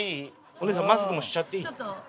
お姉さんマスクもしちゃっていい？